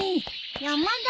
山田。